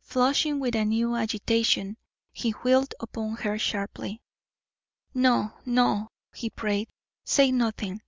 Flushing with a new agitation, he wheeled upon her sharply. "No, no," he prayed, "say nothing.